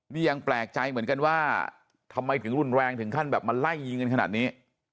นี่ยังแปลกใจเหมือนกันว่าทำไมถึงรุนแรงถึงขั้นแบบมาไล่ยิงกันขนาดนี้